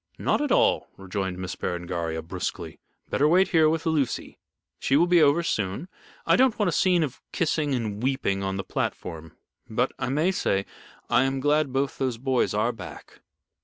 "Not at all," rejoined Miss Berengaria, brusquely, "better wait here with Lucy. She will be over soon. I don't want a scene of kissing and weeping on the platform. But, I must say, I am glad both those boys are back."